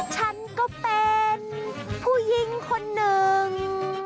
ฉันก็เป็นผู้หญิงคนหนึ่ง